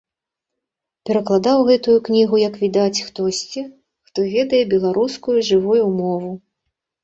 Перакладаў гэтую кнігу, як відаць, хтосьці, хто ведае беларускую жывую мову.